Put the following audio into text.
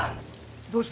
どうした？